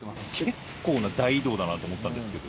結構な大移動だなと思ったんですけど